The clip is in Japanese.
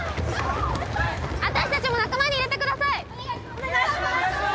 お願いします！